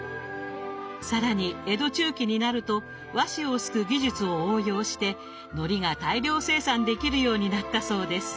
更に江戸中期になると和紙をすく技術を応用してのりが大量生産できるようになったそうです。